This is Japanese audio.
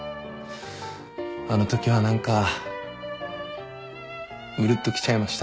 あのときは何かうるっときちゃいました。